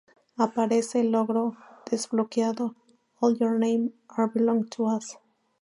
Aparece el Logro Desbloqueado: "All your game are belong to us"